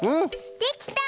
できた！